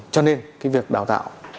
cho nên việc đào tạo